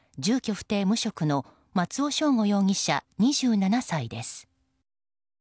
不定・無職の松尾将吾容疑者、２７歳です。